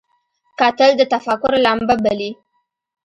کتل د تفکر لمبه بلي